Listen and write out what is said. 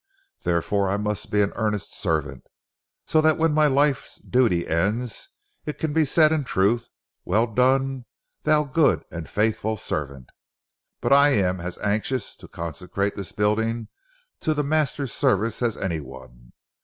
Therefore I must be an earnest servant, so that when my life's duty ends, it can be said in truth, 'Well done, thou good and faithful servant.' But I am as anxious to consecrate this building to the Master's service as any one.